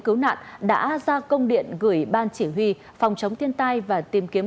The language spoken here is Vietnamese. cứu nạn đã ra công điện gửi ban chỉ huy phòng chống thiên tai và tìm kiếm